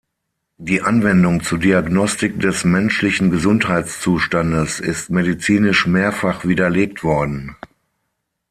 Die Anwendung zur Diagnostik des menschlichen Gesundheitszustandes ist medizinisch mehrfach widerlegt worden.